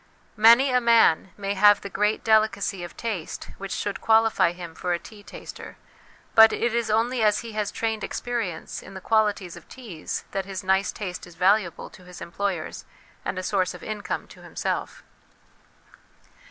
Many a man may have the great delicacy of taste which should qualify him for a tea taster, but it is only as he has trained experience in the qualities of teas that his nice taste is valuable to his employers, and a source of income to himself.